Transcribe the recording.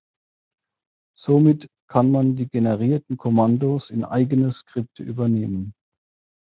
Somit kann man die generierten Kommandos in eigene Skripte übernehmen.